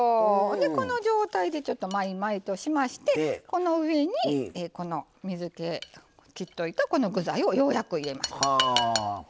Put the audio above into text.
この状態でちょっとまいまいとしましてこの上に水け切っておいたこの具材をようやく入れます。